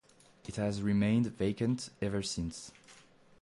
It has remained vacant ever since.